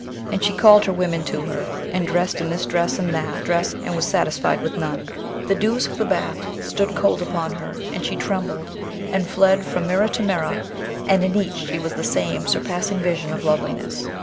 and she called her women to her, and dressed in this dress and that dress, and was satisfied with none. The dews of the bath stood cold upon her, and she trembled, and fled from mirror to mirror, and in each she was the same surpassing vision of loveliness.